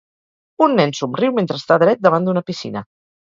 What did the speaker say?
Un nen somriu mentre està dret davant d'una piscina.